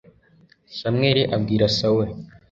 samweli abwira sawuli